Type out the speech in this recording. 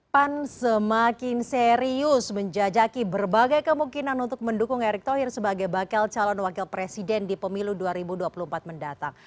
pan semakin serius menjajaki berbagai kemungkinan untuk mendukung erick thohir sebagai bakal calon wakil presiden di pemilu dua ribu dua puluh empat mendatang